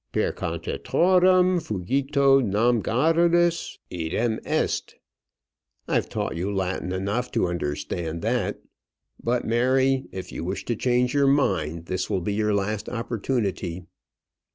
'Percontatorem fugito nam garrulus idem est.' I've taught you Latin enough to understand that. But, Mary, if you wish to change your mind, this will be your last opportunity."